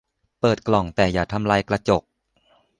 เปิดกล่องแต่อย่าทำลายกระจก